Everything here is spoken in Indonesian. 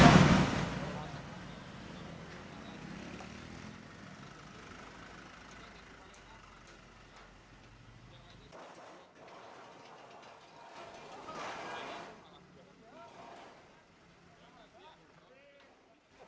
kita harus tetap berhenti untuk mengelola